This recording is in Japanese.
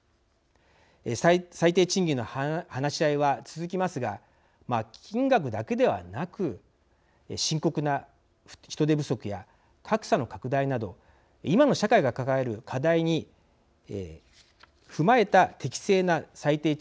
最低賃金の話し合いは続きますが金額だけではなく深刻な人手不足や格差の拡大など今の社会が抱える課題に踏まえた適正な最低賃金はどうあるべきか